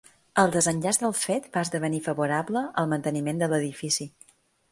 El desenllaç del fet va esdevenir favorable al manteniment de l'edifici.